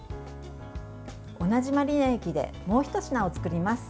同じマリネ液でもうひと品を作ります。